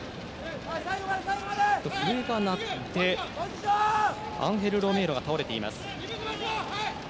笛が鳴ってアンヘル・ロメーロが倒れています。